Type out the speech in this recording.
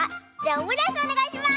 オムライスおねがいします！